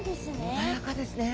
穏やかですね。